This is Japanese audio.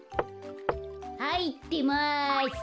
はいってます。